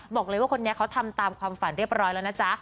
บอกเลยว่าคนนี้เขาทำตามความฝันเรียบร้อยแล้วนะจ๊ะ